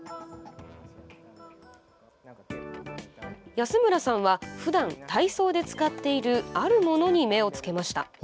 安村さんはふだん体操で使っているあるものに目をつけました。